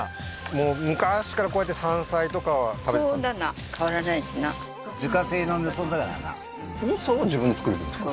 もう昔からこうやって山菜とかはそうだな変わらないですな自家製のみそだからなみそを自分で作るんですか？